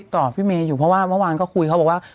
ต่อพี่เมย์อยู่เพราะว่าเมื่อวานก็คุยเขาบอกว่า